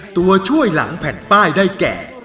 ตัวช่วยหลังแผ่นป้ายได้แก่